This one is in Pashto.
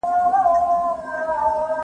شپېته؛ شپږ ډلي دي.